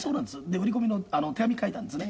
売り込みの手紙書いたんですね。